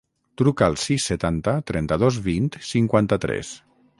Truca al sis, setanta, trenta-dos, vint, cinquanta-tres.